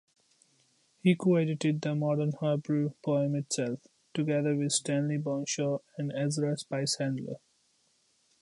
He co-edited "The Modern Hebrew Poem Itself", together with Stanley Burnshaw and Ezra Spicehandler.